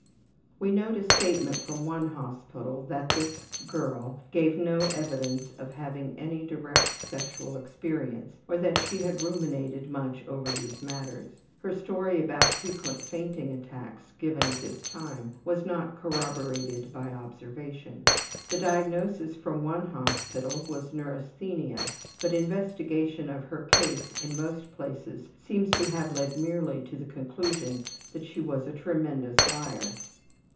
We note a statement from one hospital that this ``girl'' gave no evidence of having had any direct sexual experience, or that she had ruminated much over these matters. Her story about frequent fainting attacks given at this time was not corroborated by observation. The diagnosis from one hospital was neurasthenia, but investigation of her case in most places seems to have led merely to the conclusion that she was a tremendous liar.